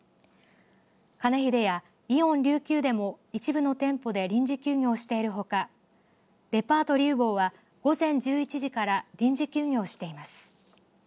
かねひでや、イオン琉球でも一部の店舗で臨時休業しているほかデパートリウボウは午前１１時から臨時休業しています。